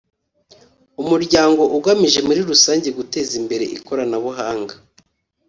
umuryango ugamije muri rusange guteza imbere ikoranabuhanga